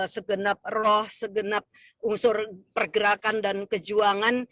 segenap roh segenap unsur pergerakan dan kejuangan